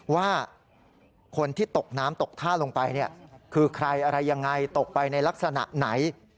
ว่าคนที่ตกน้ำตกท่าลงไปคือใครอะไรยังไงตกไปในลักษณะไหน